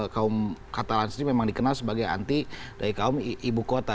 kaum katalan sendiri memang dikenal sebagai anti dari kaum ibu kota